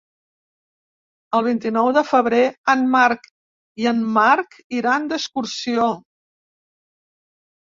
El vint-i-nou de febrer en Marc i en Marc iran d'excursió.